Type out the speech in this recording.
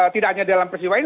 tidak hanya dalam peristiwa ini